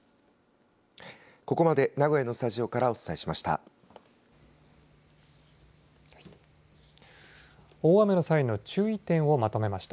ここまで名古屋のスタジオからお伝えしました。